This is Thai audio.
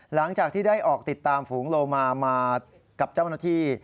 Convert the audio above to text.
หลังจากที่ได้ออกติดตามฝูงโลมามากับเจ้าหน้าที่